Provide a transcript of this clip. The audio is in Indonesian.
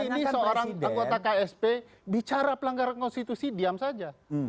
ini seorang anggota ksp bicara pelanggaran konstitusi diam saja